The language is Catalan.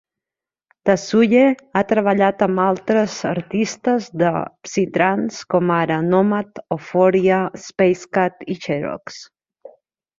Dassulle ha treballat amb altres artistes de psytrance, com ara Nomad, Oforia, Space Cat i Xerox.